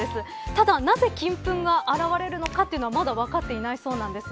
ただ、なぜ金粉が現れるのかまだ分かっていないそうなんです。